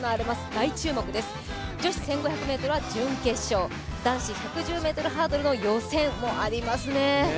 大注目です、女子１５００ｍは準決勝、男子１１０ｍハードルの予選もありますね。